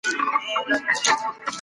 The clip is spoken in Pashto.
موږ بايد د نورو سيمو له لغتونو زده کړو.